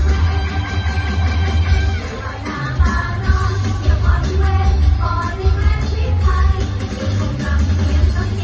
ทุกคนก็ไม่สามารถทำตัดทุกอย่าง